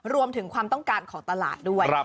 รวมถึงความต้องการของตลาดด้วย